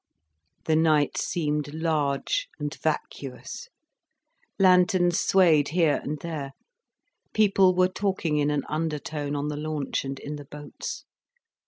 The night seemed large and vacuous. Lanterns swayed here and there, people were talking in an undertone on the launch and in the boats.